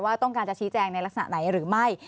ว่าต้องการจะชี้แจงในลักษณะไหนหรือไม่